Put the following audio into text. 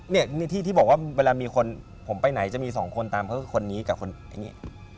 นี่ที่ที่บอกว่าเวลามีคนผมไปไหนจะมีสองคนตามเขาคือคนนี้กับคนอย่างนี้